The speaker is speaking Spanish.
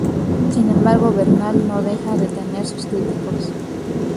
Sin embargo, Bernal no deja de tener sus críticos.